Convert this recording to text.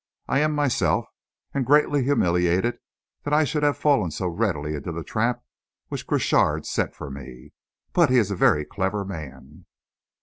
"I am myself and greatly humiliated that I should have fallen so readily into the trap which Crochard set for me. But he is a very clever man."